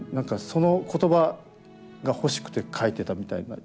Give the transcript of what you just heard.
その言葉が欲しくて書いてたみたいな。